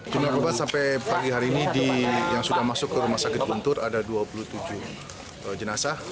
jumlah korban sampai pagi hari ini yang sudah masuk ke rumah sakit guntur ada dua puluh tujuh jenazah